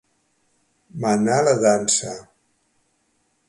Menar la dansa.